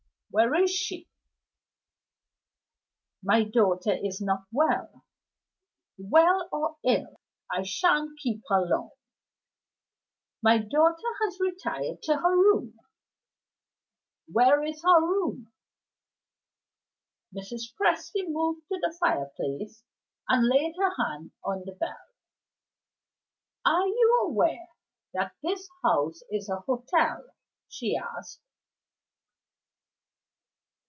Where is she?" "My daughter is not well." "Well or ill, I shan't keep her long." "My daughter has retired to her room." "Where is her room?" Mrs. Presty moved to the fireplace, and laid her hand on the bell. "Are you aware that this house is a hotel?" she asked.